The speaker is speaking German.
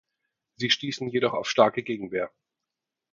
Sie stießen jedoch auf starke Gegenwehr.